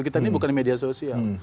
kita ini bukan media sosial